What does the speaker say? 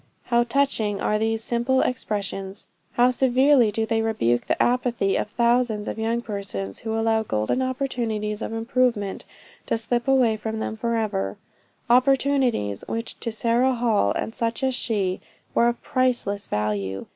How touching are these simple expressions! How severely do they rebuke the apathy of thousands of young persons, who allow golden opportunities of improvement to slip away from then forever opportunities which to Sarah Hall and such as she, were of priceless value!